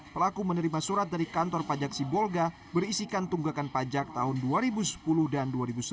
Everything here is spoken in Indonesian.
pelaku menerima surat dari kantor pajak sibolga berisikan tunggakan pajak tahun dua ribu sepuluh dan dua ribu sebelas